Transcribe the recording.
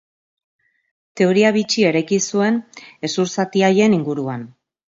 Teoria bitxia eraiki zuen hezur zati haien inguruan.